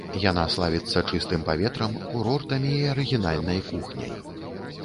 Яна славіцца чыстым паветрам, курортамі і арыгінальнай кухняй.